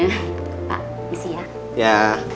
pak misi ya